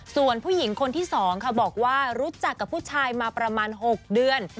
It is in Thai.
ส่วนผู้หญิงคนที่๒ค่ะบอกว่ารู้จักกับผู้ชายมาประมาณ๖เดือน